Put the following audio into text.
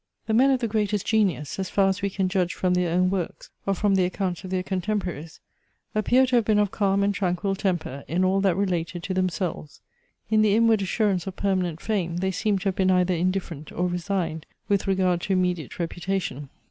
The men of the greatest genius, as far as we can judge from their own works or from the accounts of their contemporaries, appear to have been of calm and tranquil temper in all that related to themselves. In the inward assurance of permanent fame, they seem to have been either indifferent or resigned with regard to immediate reputation.